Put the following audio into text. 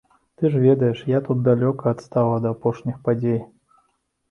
Ты ж ведаеш, я тут далёка адстаў ад апошніх падзей.